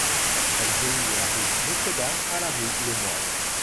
Elle relie la rue Notre-Dame à la rue Le Moyne.